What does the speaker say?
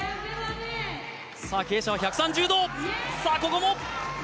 傾斜は１３０度。